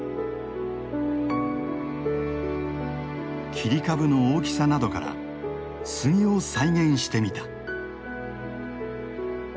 切り株の大きさなどから杉を再現してみた。